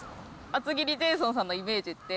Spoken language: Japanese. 厚切りジェイソンさんのイメージって、